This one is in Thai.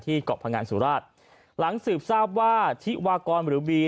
เกาะพังงานสุราชหลังสืบทราบว่าธิวากรหรือบี